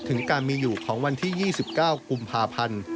ถึงการมีอยู่ของวันที่๒๙กุมภาพันธ์